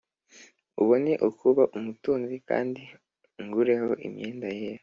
ubone ukuba umutunzi, kandi ungureho imyenda yera